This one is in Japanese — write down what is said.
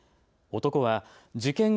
男は事件後